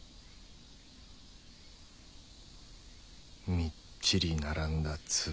みっちり並んだ粒。